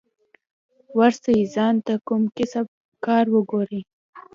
ورسئ ځان ته کوم کسب کار وگورئ.